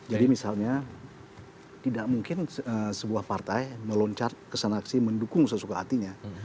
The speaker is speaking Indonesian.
jadi misalnya tidak mungkin sebuah partai meloncat kesan aksi mendukung sesuka hatinya